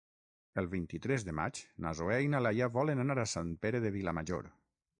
El vint-i-tres de maig na Zoè i na Laia volen anar a Sant Pere de Vilamajor.